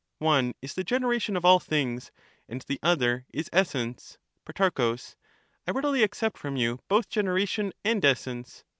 One is the generation of all things, and the other is essence. Pro, I readily accept from you both generation and essence.